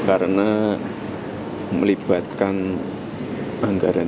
karena melibatkan anggaran